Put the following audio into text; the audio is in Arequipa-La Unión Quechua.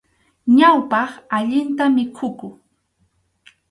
Ñawpaq, allinta mikhukuq.